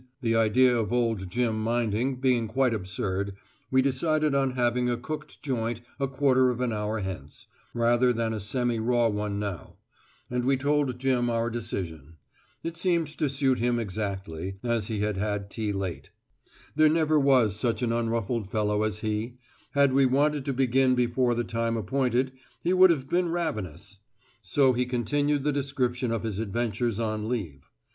The idea of old Jim minding being quite absurd, we decided on having a cooked joint a quarter of an hour hence, rather than a semi raw one now; and we told Jim our decision. It seemed to suit him exactly, as he had had tea late. There never was such an unruffled fellow as he; had we wanted to begin before the time appointed, he would have been ravenous. So he continued the description of his adventures on leave.